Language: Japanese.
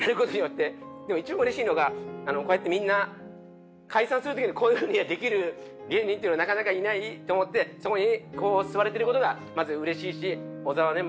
でも一番うれしいのがこうやってみんな解散する時にこういう風にできる芸人っていうのはなかなかいないと思ってそこにこう座れてる事がまずうれしいし小澤はね